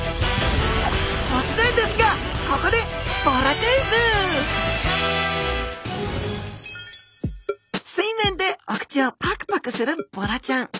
突然ですがここで水面でお口をパクパクするボラちゃん。